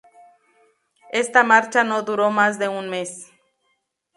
Esta marcha no duró más de un mes.